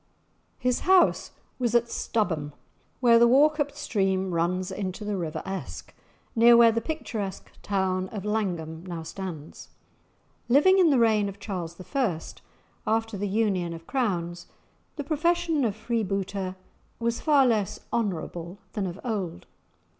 His house was at Stubholm, where the Wauchope stream runs into the river Esk, near where the picturesque town of Langholm now stands. Living in the reign of Charles I., after the union of crowns, the profession of freebooter was far less honourable than of old.